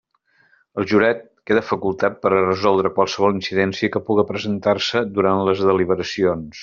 El jurat queda facultat per a resoldre qualsevol incidència que puga presentar-se durant les deliberacions.